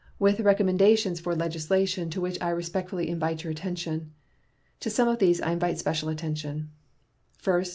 with recommendations for legislation to which I respectfully invite your attention. To some of these I invite special attention: First.